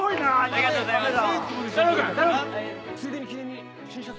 ありがとうございます。